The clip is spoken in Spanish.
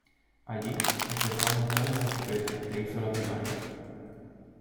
Allí, empezó a montar en bicicleta, e hizo la primaria.